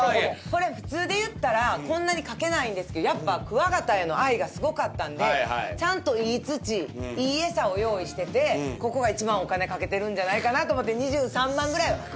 これ普通で言ったらこんなにかけないんですけどやっぱクワガタへの愛がすごかったんでちゃんといい土いい餌を用意しててここが一番お金かけてるんじゃないかなと思って２３万ぐらいは。